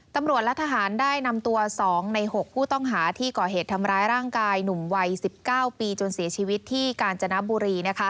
ตำรวจและทหารได้นำตัว๒ใน๖ผู้ต้องหาที่ก่อเหตุทำร้ายร่างกายหนุ่มวัย๑๙ปีจนเสียชีวิตที่กาญจนบุรี